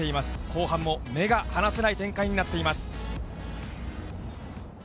後半も目が離せない展開になっています。